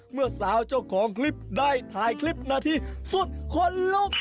เมื่อสาวเจ้าของคลิปได้ถ่ายคลิปนาทีสุดขนลุก